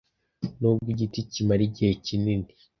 nubwo igiti kimara igihe kinini